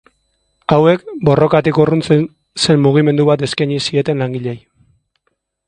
Hauek borrokatik urruntzen zen mugimendu bat eskaini zieten langileei.